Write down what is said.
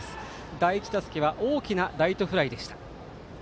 第１打席は大きなライトフライでした。